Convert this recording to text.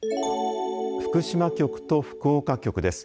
福島局と福岡局です。